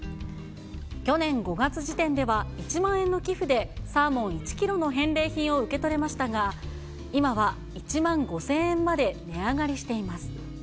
去年５月時点では、１万円の寄付でサーモン１キロの返礼品を受け取れましたが、今は１万５０００円まで値上がりしています。